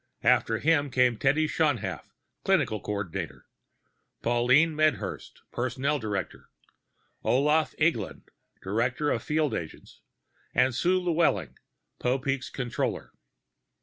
After him came Teddy Schaunhaft, clinic coordinator; Pauline Medhurst, personnel director; Olaf Eglin, director of field agents; and Sue Llewellyn, Popeek's comptroller.